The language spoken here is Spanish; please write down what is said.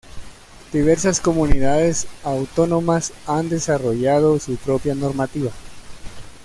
Diversas Comunidades Autónomas han desarrollado su propia normativa.